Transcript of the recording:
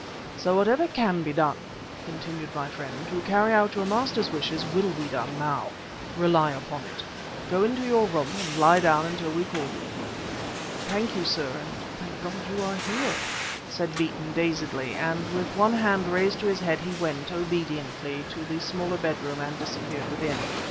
"So that whatever can be done," continued my friend, "to carry out your master's wishes, will be done now. Rely upon it. Go into your room and lie down until we call you." "Thank you, sir, and thank God you are here," said Beeton dazedly, and with one hand raised to his head he went, obediently, to the smaller bedroom and disappeared within.